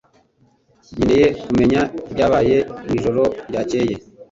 Nkeneye kumenya ibyabaye mwijoro ryakeye